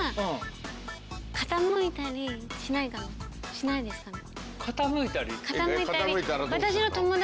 しないですかね？